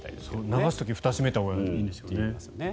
流す時ふたを閉めたほうがいいんですよね。